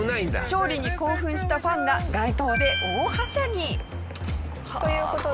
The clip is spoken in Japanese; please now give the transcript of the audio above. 勝利に興奮したファンが街灯で大はしゃぎ。という事で。